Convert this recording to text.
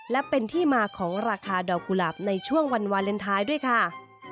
และเป็นที่มาของราคาดอกกุหลาบในช่วงวันวาเลนไทยด้วยค่ะ